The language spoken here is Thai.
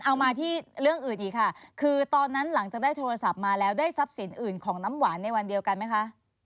เอามาที่เรื่องอื่นอีกค่ะคือตอนนั้นหลังจากได้โทรศัพท์มาแล้วได้ทรัพย์สินอื่นของน้ำหวานในวันเดียวกันไหมคะ